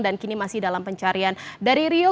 kini masih dalam pencarian dari rio